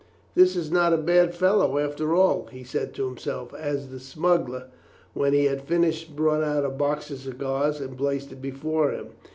"This is not a bad fellow after all," he said to himself, as the smuggler, when he had finished, brought out a box of cigars and placed it before him.